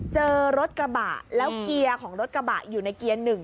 เจอรถกระบะแล้วเกียร์ของรถกระบะอยู่ในเกียร์๑